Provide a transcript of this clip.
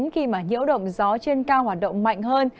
khi mà nhiễu động gió trên cao hoạt động mạnh hơn